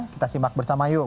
kita simak bersama yuk